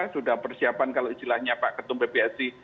sudah persiapan kalau istilahnya pak ketum pbsi